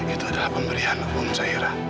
itu adalah pemberian umum zahira